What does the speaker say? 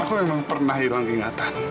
aku memang pernah hilang ingatan